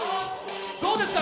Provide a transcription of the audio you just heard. どうですか？